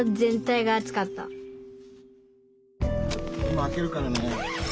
今開けるからね。